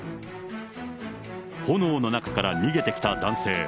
炎の中から逃げてきた男性。